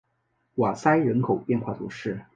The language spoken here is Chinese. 瓦塞人口变化图示